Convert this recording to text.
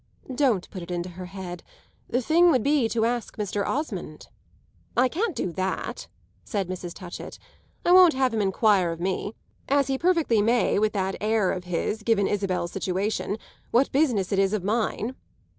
"Don't put it into her head. The thing would be to ask Mr. Osmond." "I can't do that," said Mrs. Touchett. "I won't have him enquire of me as he perfectly may with that air of his, given Isabel's situation what business it is of mine."